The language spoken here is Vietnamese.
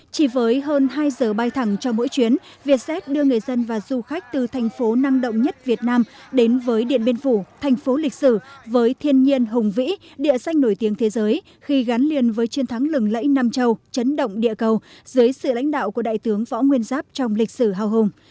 chỉ với hơn hai giờ bay thẳng cho mỗi chuyến vietjet đưa người dân và du khách từ thành phố năng động nhất việt nam đến với điện biên phủ thành phố lịch sử với thiên nhiên hùng vĩ địa danh nổi tiếng thế giới khi gắn liền với chiến thắng lừng lẫy nam châu chấn động địa cầu dưới sự lãnh đạo của đại tướng võ nguyên giáp trong lịch sử hào hùng